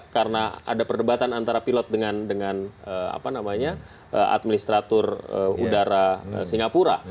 karena ada perdebatan antara pilot dengan administratur udara singapura